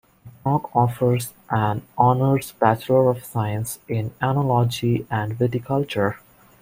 Brock offers an Honours Bachelor of Science in Oenology and Viticulture.